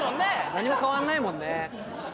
何も変わんないもんね。